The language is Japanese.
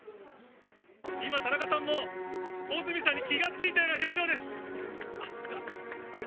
今、田中さんも穂積さんに気が付いた表情です。